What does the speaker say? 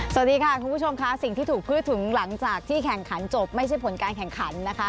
สวัสดีค่ะคุณผู้ชมค่ะสิ่งที่ถูกพูดถึงหลังจากที่แข่งขันจบไม่ใช่ผลการแข่งขันนะคะ